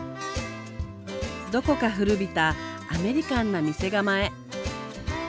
どこか古びたアメリカンな店構え。